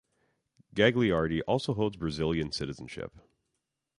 Gagliardi also holds Brazilian citizenship.